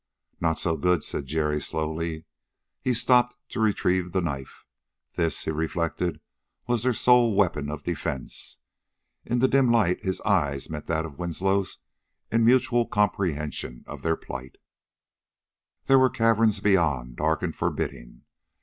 "Not so good!" said Jerry slowly. He stopped to retrieve the knife. This, he reflected, was their sole weapon of defense. In the dim light his eyes met with Winslow's in mutual comprehension of their plight. There were caverns beyond, dark and forbidding.